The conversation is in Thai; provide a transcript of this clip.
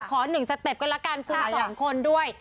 ขอหนึ่งสเต็ปกันละกันคุณสองคนด้วย